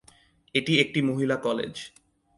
এটি একটি মহিলা কলেজ।